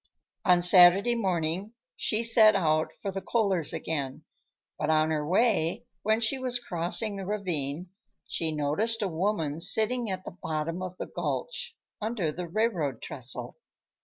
On Saturday morning she set out for the Kohlers' again, but on her way, when she was crossing the ravine, she noticed a woman sitting at the bottom of the gulch, under the railroad trestle.